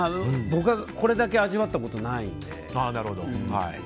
僕はこれだけ味わったことないので。